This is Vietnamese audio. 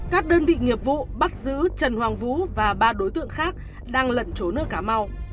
các đơn vị nghiệp vụ bắt giữ trần hoàng vũ và ba đối tượng khác đang lẩn trốn ở cà mau